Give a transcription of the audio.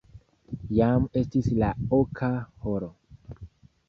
Jam estis la oka horo.